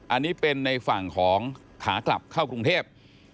อันนี้เป็นในฝั่งของขากลับเข้ากรุงเทพ